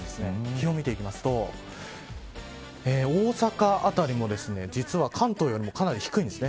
気温を見ていきますと大阪辺りも実は関東よりもかなり低いんです。